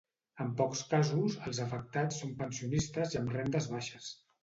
En pocs casos, els afectats són pensionistes i amb rendes baixes.